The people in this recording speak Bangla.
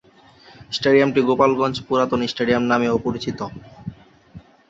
স্টেডিয়ামটি গোপালগঞ্জ পুরাতন স্টেডিয়াম নামেও পরিচিত।